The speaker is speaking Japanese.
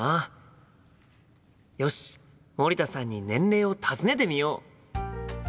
よし森田さんに年齢を尋ねてみよう！